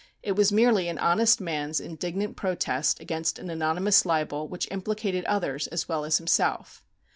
It was merely an honest man's indignant protest against an anonymous libel which implicated others as well as himself.